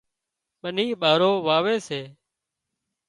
ٻنِي ٻارو واوي سي